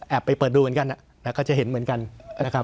ไปเปิดดูเหมือนกันก็จะเห็นเหมือนกันนะครับ